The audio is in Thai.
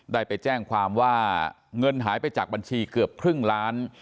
ได้ไปแจ้งความว่าเงินหายไปจากบัญชีเกือบครึ่งล้าน